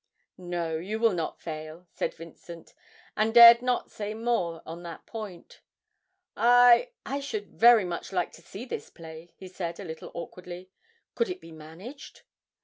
'No, you will not fail,' said Vincent, and dared not say more on that point. 'I I should like very much to see this play,' he said, a little awkwardly. 'Could it be managed?'